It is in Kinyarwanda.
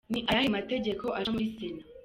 Ni ayahe mategeko aca muri Sena?.